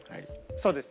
そうです。